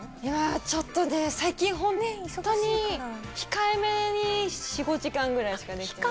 ちょっとね、最近、本当に控えめに、４、５時間ぐらいしかできてない。